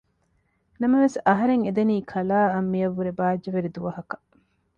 ނަމަވެސް އަހަރެން އެދެނީ ކަލާއަށް މިއަށްވުރެ ބާއްޖަވެރި ދުވަހަކަށް